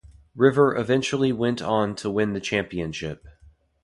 River eventually went on to win the championship.